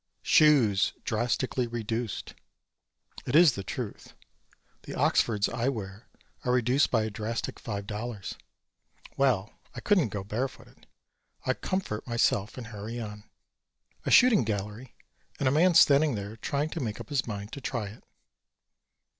"Shoes Drastically Reduced." It is the truth. The Oxfords I wear are reduced by a drastic five dollars. Well, I couldn't go barefooted, I comfort myself and hurry on. A shooting gallery and a man standing there trying to make up his mind to try it.